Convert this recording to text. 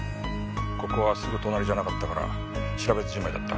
ここはすぐ隣じゃなかったから調べずじまいだった。